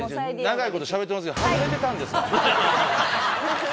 長いことしゃべってますけど。